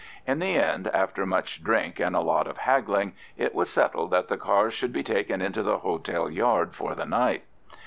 In the end, after much drink and a lot of haggling, it was settled that the cars should be taken into the hotel yard for the night.